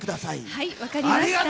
はい分かりました。